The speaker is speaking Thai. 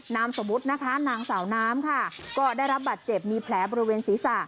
นามสมมุตินะคะนางสาวน้ำค่ะก็ได้รับบัตรเจ็บมีแผลบริเวณศีรษะ